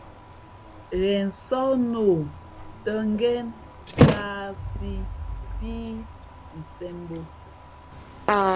Ghen sǒh nā ǒ tᾱ ngēn kāāsǐ pí nsēn bǒ.